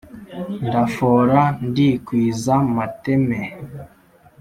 Ndafora ndikwiza mateme .